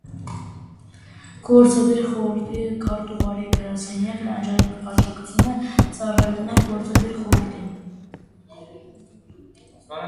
Գործադիր խորհրդի քարտուղարի գրասենյակն աջակցում և ծառայում է գործադիր խորհրդին։